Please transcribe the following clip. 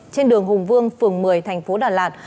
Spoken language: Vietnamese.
trên đường hùng vương phường một mươi thành phố đà lạt